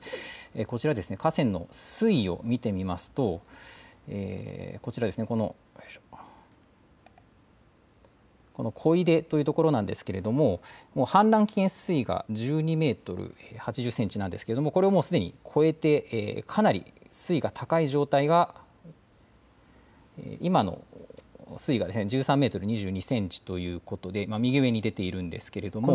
こちら河川の水位を見てみますとこの小出という所ですが氾濫危険水位が１２メートル８０センチなんですがこれをすでに超えてかなり水位が高い状態が今の水位が１３メートル２０センチということで右上に出ているんですけれども。